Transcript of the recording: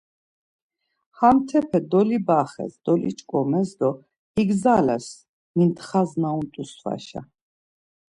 Hantepe dolibaxes, doliç̌ǩomes do igzales mintxas na unt̆u svaşa.